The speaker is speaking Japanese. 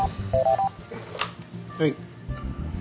はい。